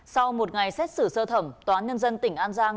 sau một ngày xét xử sơ thẩm tòa án nhân dân tỉnh an giang